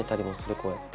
こうやって。